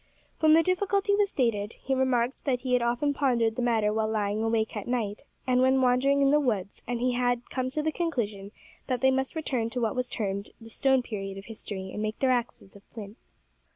When the difficulty was stated, he remarked that he had often pondered the matter while lying awake at night, and when wandering in the woods; and he had come to the conclusion that they must return to what was termed the stone period of history, and make their axes of flint.